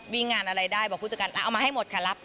งานอะไรได้บอกผู้จัดการเอามาให้หมดค่ะรับ